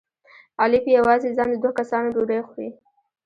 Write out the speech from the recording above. علي په یوازې ځان د دوه کسانو ډوډۍ خوري.